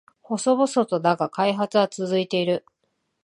細々とだが開発は続いている